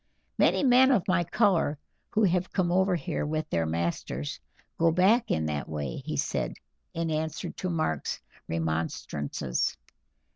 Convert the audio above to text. "Many men of my color who have come over here with their masters go back in that way," he said, in answer to Mark's remonstrances.